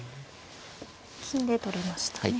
金で取りましたね。